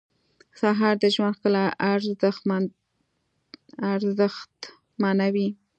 سهار د ژوند ښکلا ارزښتمنوي.